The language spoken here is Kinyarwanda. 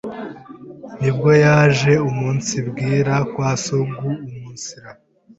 nibwo yaje umunsibwira kwa sogoumunsiru